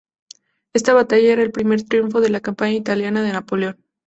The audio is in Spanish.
Esta batalla era el primer triunfo de la campaña italiana de Napoleón.